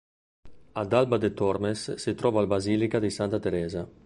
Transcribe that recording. Ad Alba de Tormes si trova la basilica di Santa Teresa.